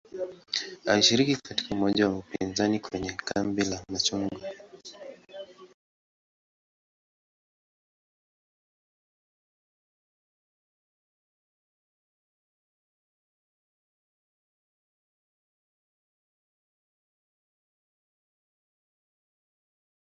Hata hivyo, mbinu hii ina matatizo mengi na mafanikio yako mbali mno.